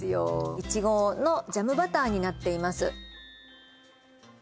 イチゴのジャムバターになっています